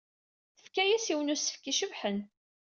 Tefka-as yiwen n usefk icebḥen.